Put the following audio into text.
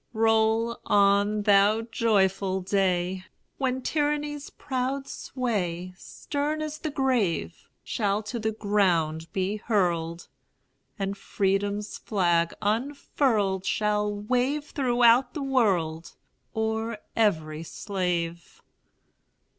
Roll on, thou joyful day, When tyranny's proud sway, Stern as the grave, Shall to the ground be hurled, And Freedom's flag unfurled Shall wave throughout the world, O'er every slave!